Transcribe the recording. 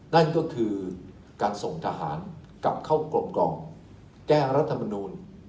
นั่นก็คือการส่งทหารกลับเข้ากลมกล่อมแก้รัฐมนูล